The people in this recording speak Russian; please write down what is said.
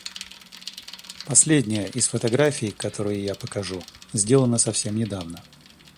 Последняя из фотографий, которые я покажу, сделана совсем недавно.